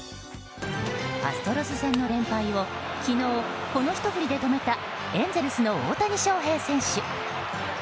アストロズ戦の連敗を昨日、このひと振りで止めたエンゼルスの大谷翔平選手。